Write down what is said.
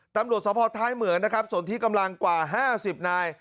ตำรวจสภท้ายเหมือนนะครับส่วนที่กำลังกว่า๕๐นาย